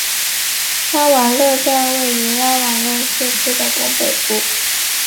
拉瓦勒站位于拉瓦勒市区的东北部。